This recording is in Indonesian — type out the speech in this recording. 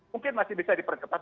mungkin masih bisa dipercepat